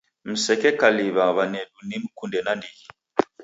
Msekekalilw'a w'anedu nimkunde nandighi.